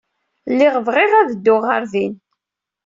Lliɣ bɣiɣ ad dduɣ ɣer din.